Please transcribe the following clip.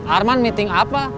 arman meeting apa